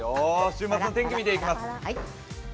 週末の天気見ていきます。